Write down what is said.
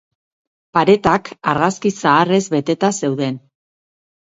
Paretak argazki zaharrez beteta zeuden.